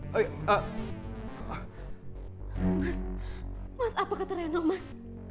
mas mas apakah ternyata mas